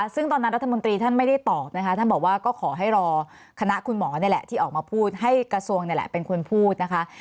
ซึ่งตอนนั้นรัฐมนตรีท่านไม่ได้ตอบนะคะท่านบอกว่าก็ขอให้รอคณะคุณหมอนี่แหละที่ออกมาพูดให้กระทรวงนี่แหละเป็นคนพูดนะคะ